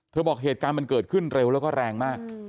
บอกเหตุการณ์มันเกิดขึ้นเร็วแล้วก็แรงมาก